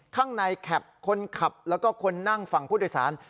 ข้างในแคปคนขับแล้วก็คนนั่งฝั่งผู้โดยสาร